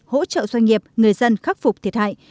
hỗ trợ doanh nghiệp người dân khắc phục thiệt hại